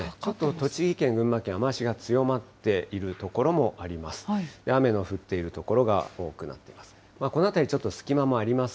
栃木県、群馬県、雨足が強まっている所もあります。